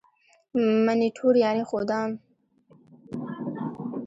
منیټور یعني ښودان.